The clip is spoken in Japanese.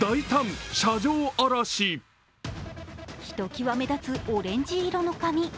ひときわ目立つオレンジ色の髪。